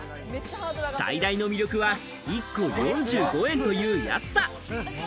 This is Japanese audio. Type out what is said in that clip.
最大の魅力は１個４５円という安さ。